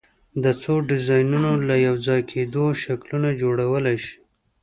د څو ډیزاینونو له یو ځای کېدو شکلونه جوړولی شئ؟